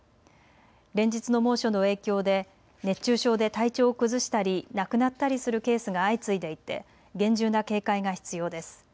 連日の猛暑の影響で熱中症で体調を崩したり亡くなったりするケースが相次いでいて厳重な警戒が必要です。